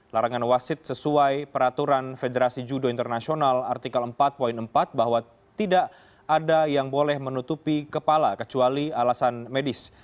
larangan wasit sesuai peraturan federasi judo internasional artikel empat empat bahwa tidak ada yang boleh menutupi kepala kecuali alasan medis